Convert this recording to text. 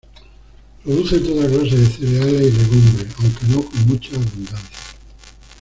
Produce toda clase de cereales y legumbres, aunque no con mucha abundancia.